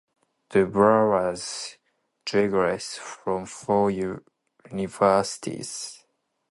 Doebbler has degrees from four universities.